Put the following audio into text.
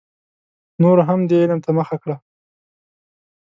نورو هم دې علم ته مخه کړه.